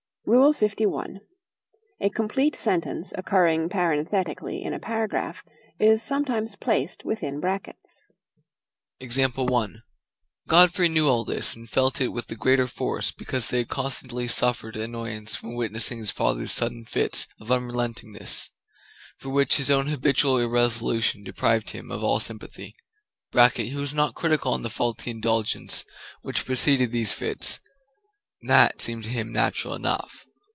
LI. A complete sentence occurring parenthetically in a paragraph is sometimes placed within brackets. Godfrey knew all this, and felt it with the greater force because he had constantly suffered annoyance from witnessing his father's sudden fits of unrelentingness, for which his own habitual irresolution deprived him of all sympathy. (He was not critical on the faulty indulgence which preceded these fits; that seemed to him natural enough.)